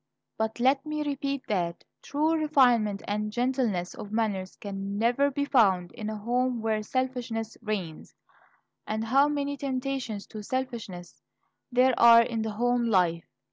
But let me repeat that "true refinement and gentleness of manners can never be found in a home where selfishness reigns." And how many temptations to selfishness there are in the home life!